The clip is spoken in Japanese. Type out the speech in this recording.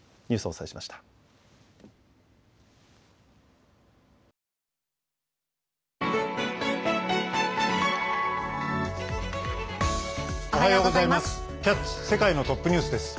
おはようございます。